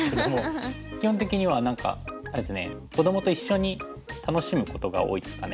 基本的には何かあれですね子どもと一緒に楽しむことが多いですかね。